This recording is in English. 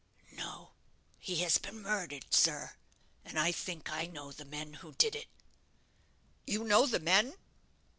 "No; he has been murdered, sir. And I think I know the men who did it." "You know the men?"